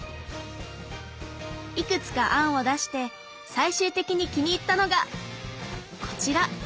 いくつか案を出して最終的に気に入ったのがこちら！